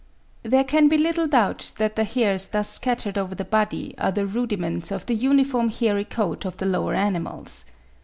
There can be little doubt that the hairs thus scattered over the body are the rudiments of the uniform hairy coat of the lower animals.